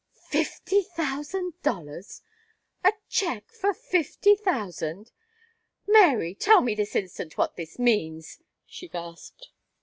"Fifty thousand dollars! A check for fifty thousand! Mary, tell me this instant what this means," she gasped.